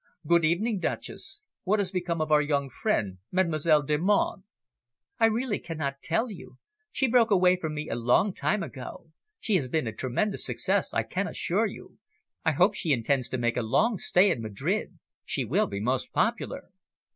"Good evening, Duchess. What has become of our young friend, Mademoiselle Delmonte?" "I really cannot tell you. She broke away from me a long time ago. She has been a tremendous success, I can assure you. I hope she intends to make a long stay in Madrid. She will be most popular."